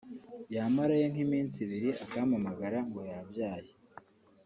yamarayo nk’iminsi ibiri akampamagara ngo yabyaye